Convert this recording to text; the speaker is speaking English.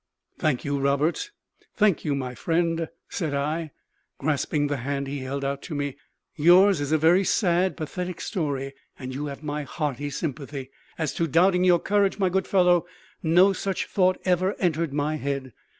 "Thank you, Roberts; thank you, my friend," said I, grasping the hand he held out to me. "Yours is a very sad, pathetic story, and you have my hearty sympathy. As to doubting your courage, my good fellow, no such thought ever entered my head.